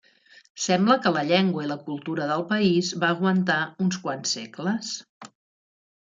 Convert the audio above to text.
Sembla que la llengua i la cultura del país va aguantar uns quants segles.